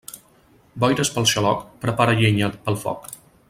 Boires pel xaloc, prepara llenya pel foc.